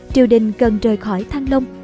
triều đình cần rời khỏi thanh long